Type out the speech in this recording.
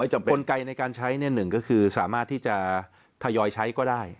ไม่จำเป็นคนไกลในการใช้ก็คือสามารถที่จะทยอยใช้ก็ได้